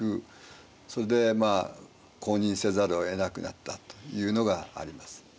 それでまあ公認せざるをえなくなったというのがあります。